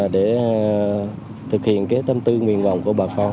để thực hiện cái tâm tư nguyên vọng của bà con